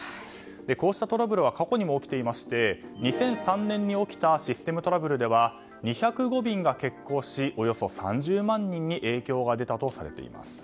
こうしたトラブルは過去にも起きてまして２００３年に起きたシステムトラブルでは２０５便が欠航しおよそ３０万人に影響が出たとされています。